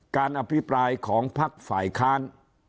การอภิปรายของพักฝ่ายค้าน